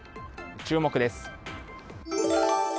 注目です。